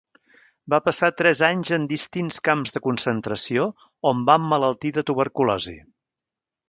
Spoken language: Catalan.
Va passar tres anys en distints camps de concentració, on va emmalaltir de tuberculosi.